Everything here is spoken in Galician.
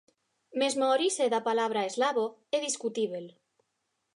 Mesmo a orixe da palabra "eslavo" é discutíbel.